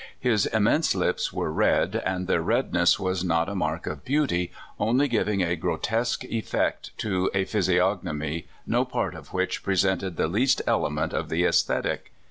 His im mense lips were red, and their redness was not a mark of beauty, only giving a grotesque effect to a physiognomy no part of which presented the least element of the aesthetic.